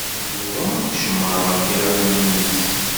Yuba icemmeṛ ɣef yiɣallen-is.